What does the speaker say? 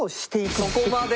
そこまで。